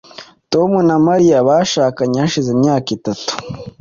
tom na mariya bashakanye hashize imyaka itatu